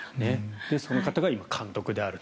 その方が今、監督であると。